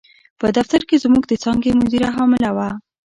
په دفتر کې زموږ د څانګې مدیره حامله وه.